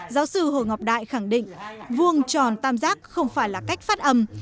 giáo sư hồ ngọc đại khẳng định vuông tròn tam giác không phải là cách phát âm